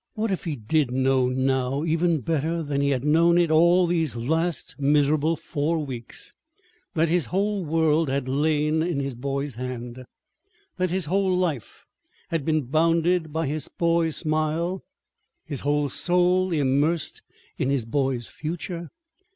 What if he did know now, even better than he had known it all these last miserable four weeks, that his whole world had lain in his boy's hand, that his whole life had been bounded by his boy's smile, his whole soul immersed in his boy's future?